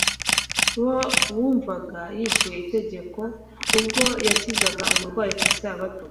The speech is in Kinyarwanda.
Bo bumvaga yishe itegeko ubwo yakizaga umurwayi ku isabato;